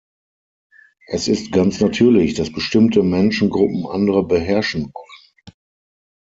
Es ist ganz natürlich, dass bestimmte Menschengruppen andere beherrschen wollen.